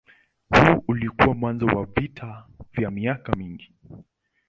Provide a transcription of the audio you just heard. Huu ulikuwa mwanzo wa vita vya miaka mingi.